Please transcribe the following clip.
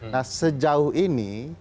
nah sejauh ini